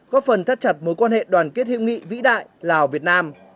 góp phần thắt chặt mối quan hệ đoàn kết hiệu nghị vĩ đại lào việt nam